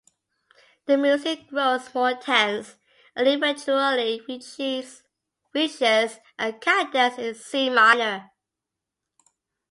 The music grows more tense and eventually reaches a cadence in C minor.